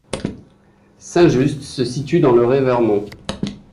Saint-Just se situe dans le Revermont.